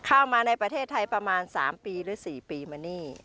เข้ามาในประเทศไทยประมาณ๓ปีหรือ๔ปีมานี่